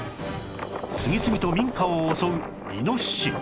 次々と民家を襲うイノシシ